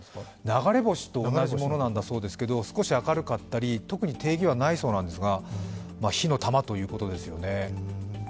流れ星と同じものなんだそうですけど少し明るかったり、特に定義はないそうなんですが、火の玉ということですよね。